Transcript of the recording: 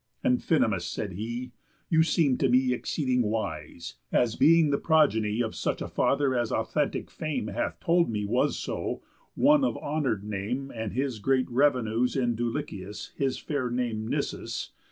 "Amphinomus," said he, "you seem to me Exceeding wise, as being the progeny Of such a father as authentic Fame Hath told me was so, one of honour'd name, And great revenues in Dulichius, His fair name Nisus.